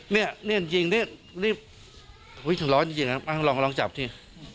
เนี่ยจริงร้อนจริงลองจับที่